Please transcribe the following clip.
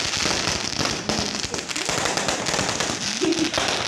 El cráter Bruce, un poco más grande, se localiza al este.